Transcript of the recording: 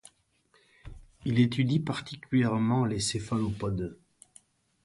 Il étudie particulièrement les céphalopodes.